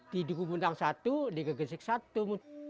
di duku bundang satu di gegesik satu